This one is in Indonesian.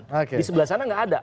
di sebelah sana nggak ada